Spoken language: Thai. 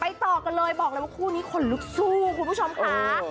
ต่อกันเลยบอกเลยว่าคู่นี้ขนลุกสู้คุณผู้ชมค่ะ